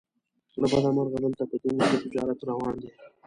له بده مرغه دلته په دین ښه تجارت روان دی.